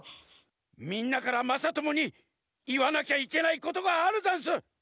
みんなからまさともにいわなきゃいけないことがあるざんす。